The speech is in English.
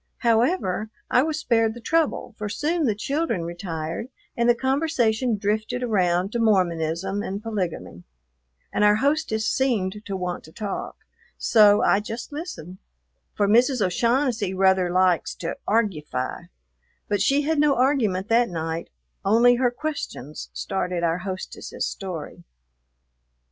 However, I was spared the trouble, for soon the children retired and the conversation drifted around to Mormonism and polygamy; and our hostess seemed to want to talk, so I just listened, for Mrs. O'Shaughnessy rather likes to "argufy"; but she had no argument that night, only her questions started our hostess's story.